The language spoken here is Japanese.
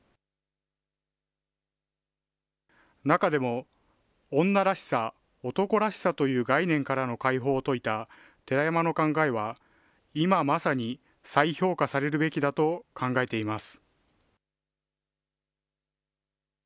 中でも、女らしさ男らしさという概念からの解放を説いた寺山の考えは今まさに再評価されるべきだと考えています。